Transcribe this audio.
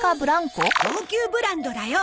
高級ブランドだよ！